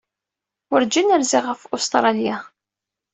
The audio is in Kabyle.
Werǧin rziɣ ɣef Ustṛalya.